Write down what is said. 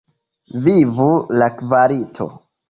Vivu la kvalito!